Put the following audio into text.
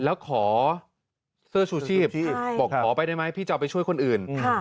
แล้วขอเสื้อชูชีพบอกขอไปได้ไหมพี่จะเอาไปช่วยคนอื่น